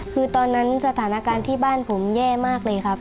คือตอนนั้นสถานการณ์ที่บ้านผมแย่มากเลยครับ